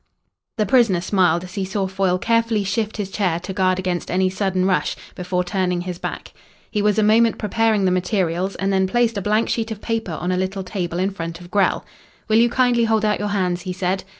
The prisoner smiled as he saw Foyle carefully shift his chair to guard against any sudden rush, before turning his back. He was a moment preparing the materials and then placed a blank sheet of paper on a little table in front of Grell. "Will you kindly hold out your hands?" he said.